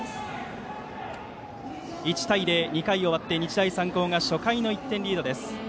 １対０と２回終わって日大三高が初回の１点リードです。